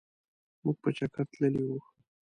مونږ په چکرتللي وو.